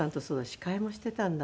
司会もしていたんだ。